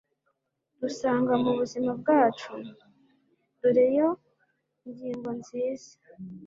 dusanga mubuzima bwacu? dore iyo ngingo nziza